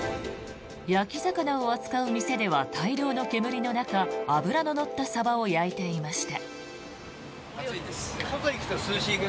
焼き魚を扱う店では大量の煙の中脂の乗ったサバを焼いていました。